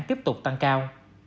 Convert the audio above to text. tiếp tục tăng cao